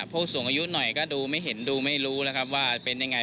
เพราะสูงอายุหน่อยก็ดูไม่เห็นดูไม่รู้ว่าเป็นอย่างไร